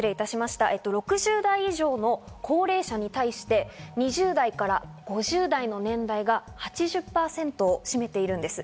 ６０代以上の高齢者に対して２０代から５０代の年代が８０％を占めているんです。